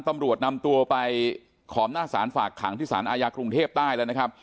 ตำรวจนำตัวไปขอบหน้าสารฝากขังที่สารอาญากรุงเทพใต้แล้วนะครับ